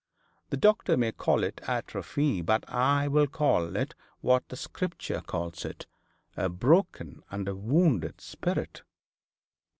The doctor may call it atrophy, but I will call it what the Scripture calls it, a broken and a wounded spirit.'